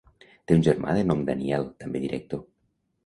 Té un germà de nom Daniel, també director.